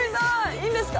いいんですか？